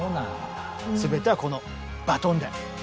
全てはこのバトンで。